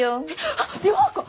あっ涼子！